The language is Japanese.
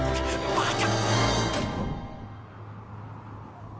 バカ！